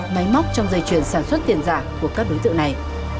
máy móc trong dây chuyển sản xuất tiền giả của các đối tượng này